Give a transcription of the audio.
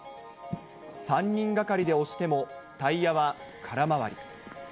３人がかりで押してもタイヤは空回り。